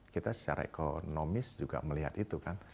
kita secara ekonomis juga melihat itu kan